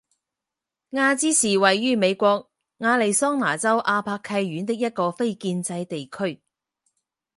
亚兹是位于美国亚利桑那州阿帕契县的一个非建制地区。